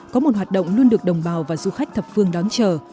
có một hoạt động luôn được đồng bào và du khách thập phương đón chờ